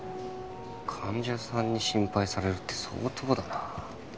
患者さんに心配されるって相当だな。